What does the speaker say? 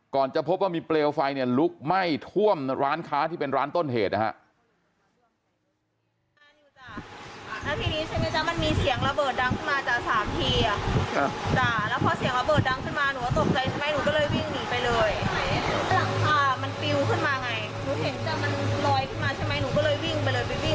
จะพบว่ามีเปลวไฟเนี่ยลุกไหม้ท่วมร้านค้าที่เป็นร้านต้นเหตุนะฮะ